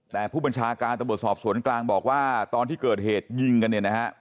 แต่ผู้บัญชาการตำรวจสอบสวนกลางบอกว่าตอนที่เกิดเหตุยิงกันเนี่ยนะฮะ